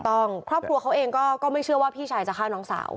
ครอบครัวเขาเองก็ไม่เชื่อว่าพี่ชายจะฆ่าน้องสาว